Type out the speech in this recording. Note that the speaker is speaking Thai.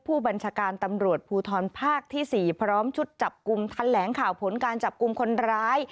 ผู้บัญชาการตำรวจภูทรภาคที่๔พร้อมชุดจับกลุ่มทันแหลงข่าวผลการจับกลุ่มคนร้าย